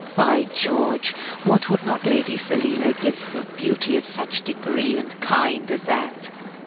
By George! what would not Lady Selina give for beauty of such degree and kind as that!